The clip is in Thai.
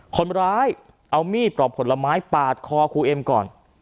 คนร้ายเอามีดปลอกผลไม้ปาดคอครูเอ็มก่อน